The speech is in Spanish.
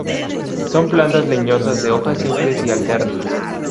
Son plantas leñosas de hojas simples y alternas.